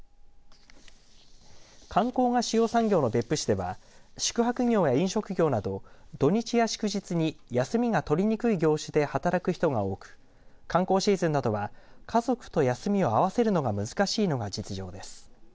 観光が主要産業の別府市では宿泊業や飲食業など土日や祝日に休みが取りにくい業種で働く人が多く観光シーズンなどは家族と休みを合わせるのが難しいのが実情です。